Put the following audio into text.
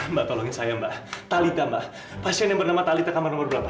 mbak tolongin saya mbak talita mbak pasien yang bernama talita kamar nomor berapa